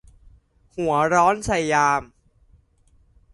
หัวร้อนใส่ยาม